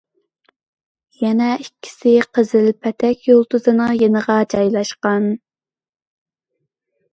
يەنە ئىككىسى قىزىل پەتەك يۇلتۇزىنىڭ يېنىغا جايلاشقان.